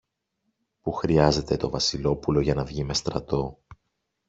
που χρειάζεται το Βασιλόπουλο για να βγει με στρατό.